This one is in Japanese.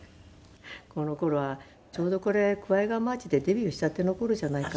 この頃はちょうどこれ『クワイ河マーチ』でデビューしたての頃じゃないかな。